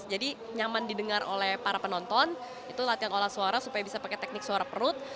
jadi nyaman didengar oleh para penonton itu latihan olah suara supaya bisa pakai teknik suara perut